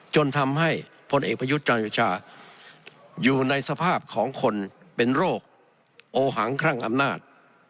จนทำให้พลเอกประยุทธ์จันโอชาอยู่ในสภาพของคนเป็นโรคโอหังคลั่งอำนาจ